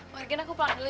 morgan aku pulang dulu ya